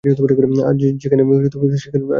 আজ যেন সেখানে রাতই হয়নি।